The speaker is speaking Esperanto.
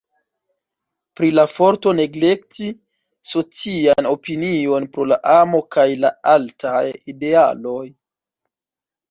Pri la forto neglekti socian opinion pro la amo kaj la altaj idealoj.